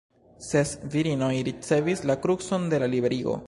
Ses virinoj ricevis la krucon de la Liberigo.